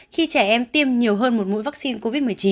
khi trẻ em tiêm nhiều hơn một mũi vaccine covid một mươi chín